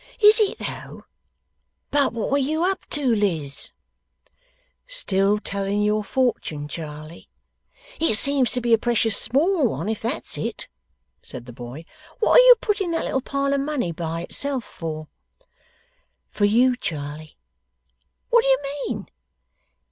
'Is it though? But what are you up to, Liz?' 'Still telling your fortune, Charley.' 'It seems to be a precious small one, if that's it,' said the boy. 'What are you putting that little pile of money by itself for?' 'For you, Charley.' 'What do you mean?